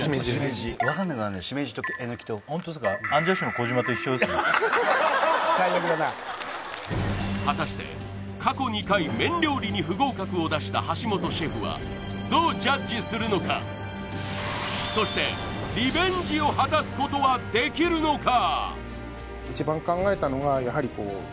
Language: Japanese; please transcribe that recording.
ホントっすか最悪だな果たして過去２回麺料理に不合格を出した橋本シェフはどうジャッジするのかそしてリベンジを果たすことはできるのか？